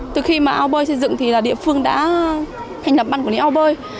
từ khi mà ao bơi xây dựng thì là địa phương đã hành lập băn quản lý ao bơi